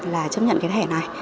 là chấp nhận cái thẻ này